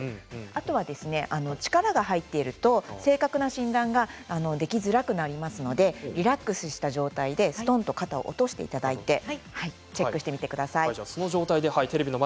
あと力が入っていると正確な診断ができづらくなりますのでリラックスした状態ですとんと肩を落としていただいてチェックしてみてください。